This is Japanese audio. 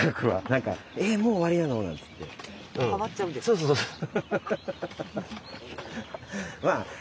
そうそうそうそう。